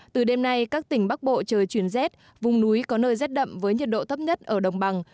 từ đêm nay các tỉnh bắc bộ trời chuyển rét vùng núi có nơi rét đậm với nhiệt độ thấp nhất ở đồng bằng